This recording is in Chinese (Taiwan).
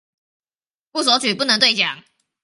不索取不能對獎